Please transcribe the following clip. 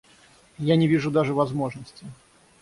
Я не вижу даже возможности.